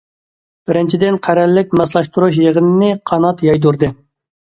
بىرىنچىدىن، قەرەللىك ماسلاشتۇرۇش يىغىنىنى قانات يايدۇردى.